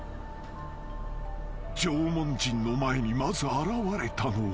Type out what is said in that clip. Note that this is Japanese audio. ［縄文人の前にまず現れたのは］